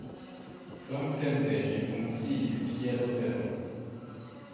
Longtempe ĝi funkciis kiel hotelo.